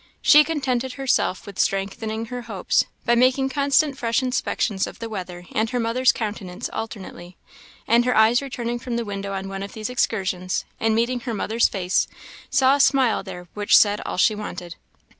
She contented herself with strengthening her hopes, by making constant fresh inspections of the weather and her mother's countenance alternately; and her eyes returning from the window on one of these excursions, and meeting her mother's face, saw a smile there which said all she wanted.